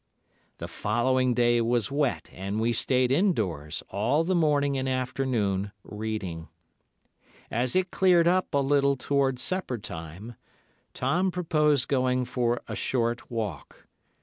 "The following day was wet, and we stayed indoors, all the morning and afternoon, reading. As it cleared up a little towards supper time, Tom proposed going for a short walk.